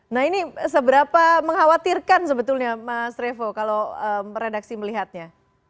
nah ini seberapa mengkhawatirkan sebetulnya mas revo kalau redaksi melihatnya